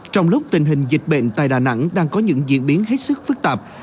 trong lúc tình hình dịch bệnh tại đà nẵng đang có những diễn biến hết sức phức tạp